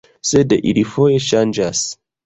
Sed ili foje ŝanĝas.